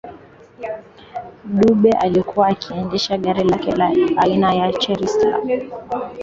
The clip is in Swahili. Dube alikuwa akiendesha gari lake la aina ya Chrysler